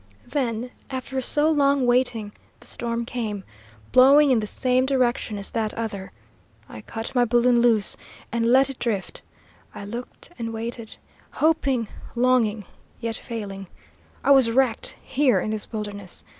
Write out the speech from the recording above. "Then, after so long waiting, the storm came, blowing in the same direction as that other. I cut my balloon loose, and let it drift. I looked and waited, hoping, longing, yet failing! I was wrecked, here in this wilderness.